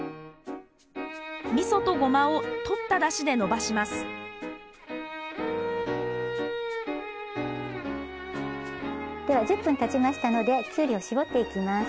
みそとゴマをとったダシでのばしますでは１０分たちましたのでキュウリをしぼっていきます。